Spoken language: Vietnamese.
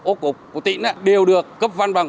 ố cục của tỉnh đều được cấp văn bằng